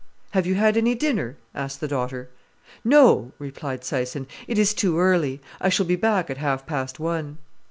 "Have you had any dinner?" asked the daughter. "No," replied Syson. "It is too early. I shall be back at half past one."